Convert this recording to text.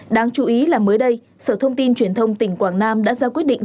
đáng chú ý là mới đây sở thông tin truyền thông tỉnh quảng nam đã ra quyết định